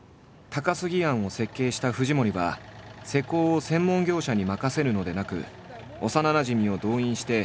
高過庵を設計した藤森は施工を専門業者に任せるのでなく幼なじみを動員して